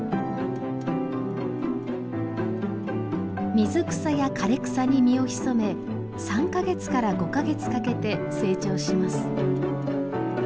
水草や枯れ草に身を潜め３か月から５か月かけて成長します。